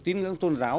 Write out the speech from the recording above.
tín ngưỡng tôn giáo